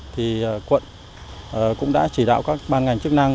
thì quận cũng đã chỉ đạo các ban ngành chức năng